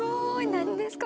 何ですか？